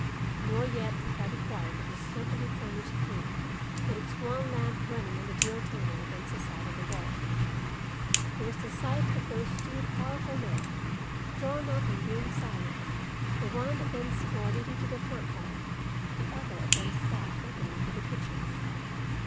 Nor yet the heavy quiet of the scantily furnished room with its one lamp burning on the deal table against the side of the wall. It was the sight of those two powerful men drawn up in grim silence, the one against the door leading to the front hall, the other against that opening into the kitchen.